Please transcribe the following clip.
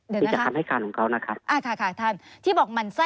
เดี๋ยวนะครับ